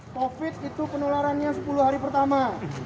covid sembilan belas itu penularannya sepuluh hari pertama